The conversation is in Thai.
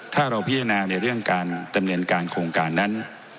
ถ้าเราพิจารณาในเรื่องการดำเนินการโครงการนั้น